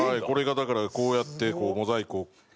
これがだからこうやってモザイクを。